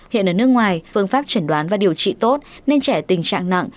hiện ở nước ngoài phương pháp chẩn đoán và điều trị tốt nên trẻ tình trạng nặng